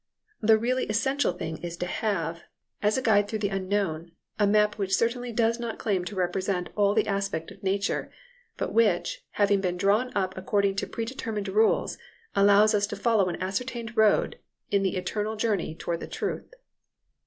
The really essential thing is to have, as a guide through the unknown, a map which certainly does not claim to represent all the aspects of nature, but which, having been drawn up according to predetermined rules, allows us to follow an ascertained road in the eternal journey towards the truth.